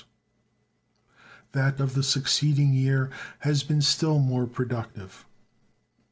That of the succeeding year has been still more productive.